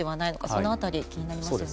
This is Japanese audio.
その辺り気になりますね。